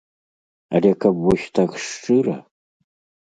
Але каб вось так шчыра!